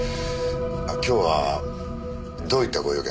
今日はどういったご用件で？